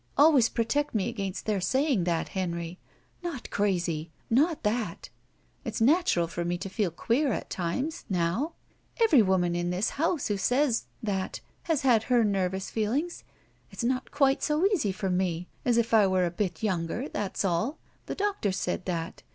Always protect me against their sajring that, Henry. Not crazy — 202 GUILTY not that! It's natural for me to fed queer at times — ^now. Every woman in this house who says — that — about me has had her nervous feelings. It's not quite so easy for me, as if I were a bit younger. That's all. The doctor said that.